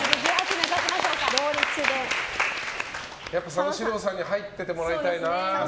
佐野史郎さんに入っててもらいたいな。